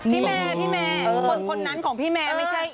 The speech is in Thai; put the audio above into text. พี่แม่คนคนนั้นของพี่แม่ไม่ใช่